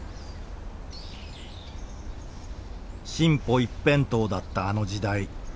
進歩一辺倒だったあの時代。